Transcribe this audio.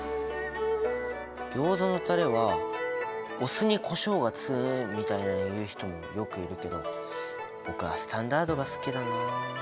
ギョーザのタレは「お酢にコショウが通」みたいに言う人もよくいるけど僕はスタンダードが好きだなあ。